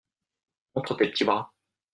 Montre tes petits bras…